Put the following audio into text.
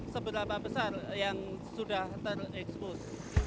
seberapa besar yang sudah terekspos